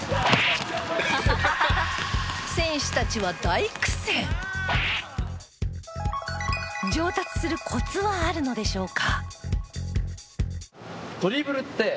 選手たちは上達するコツはあるのでしょうか？